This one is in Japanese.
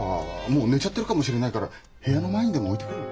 もう寝ちゃってるかもしれないから部屋の前にでも置いてくる。